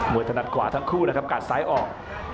วยถนัดขวาทั้งคู่นะครับกัดซ้ายออก